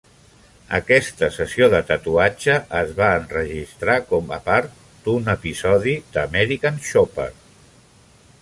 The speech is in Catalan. Aquesta sessió de tatuatge es va enregistrar com a part d'un episodi d' "American Chopper".